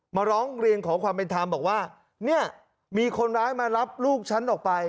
มาร้องเรียนขอความเป็นธรรมบอกว่าเนี่ยมีคนร้ายมารับลูกฉันออกไป